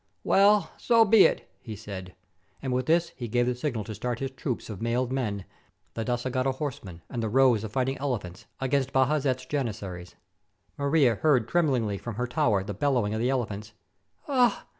"Well, so be it," he said, and with this he gave the signal to start his troops of mailed men, the Dzsagata horsemen, and the rows of fighting elephants, against Bajazet's Janizaries. Maria heard tremblingly from her tower the bellowing of the elephants. "Ah!